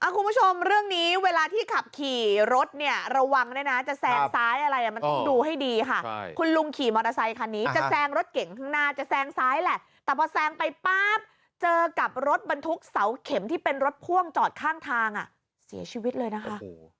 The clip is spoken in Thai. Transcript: คุณผู้ชมเรื่องนี้เวลาที่ขับขี่รถเนี่ยระวังด้วยนะจะแซงซ้ายอะไรมันต้องดูให้ดีค่ะคุณลุงขี่มอเตอร์ไซคันนี้จะแซงรถเก่งข้างหน้าจะแซงซ้ายแหละแต่พอแซงไปป๊าบเจอกับรถบรรทุกเสาเข็มที่เป็นรถพ่วงจอดข้างทางเสียชีวิตเลยนะคะ